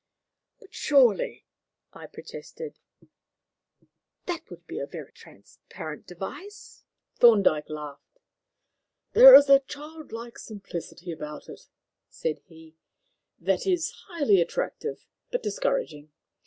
"But surely," I protested, "that would be a very transparent device." Thorndyke laughed. "There is a childlike simplicity about it," said he, "that is highly attractive but discouraging.